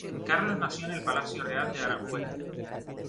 Carlos nació en el Palacio Real de Aranjuez.